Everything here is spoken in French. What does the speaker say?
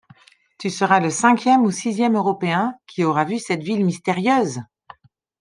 Tu seras le cinquième ou sixième Européen qui aura vu cette ville mystérieuse!